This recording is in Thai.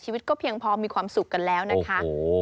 ชีวิตก็เพียงพอมีความสุขกันแล้วนะคะ